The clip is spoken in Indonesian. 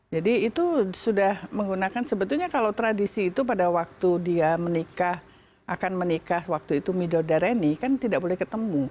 jadi itu sudah menggunakan sebetulnya kalau tradisi itu pada waktu dia menikah akan menikah waktu itu midodareni kan tidak boleh ketemu